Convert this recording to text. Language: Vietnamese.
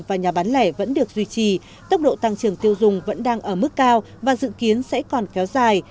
và nhà bán lẻ vẫn được duy trì tốc độ tăng trưởng tiêu dùng vẫn đang ở mức cao và dự kiến sẽ còn kéo dài